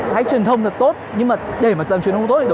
hãy truyền thông là tốt nhưng mà để mà làm truyền thông tốt